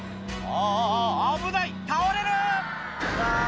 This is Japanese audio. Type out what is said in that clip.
あぁあぁ危ない！倒れる！